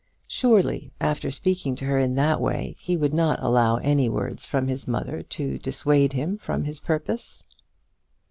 Surely, after speaking to her in that way, he would not allow any words from his mother to dissuade him from his purpose?